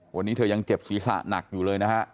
วันนี้เธอยังเจ็บศีรษะหนักอยู่เลยนะฮะ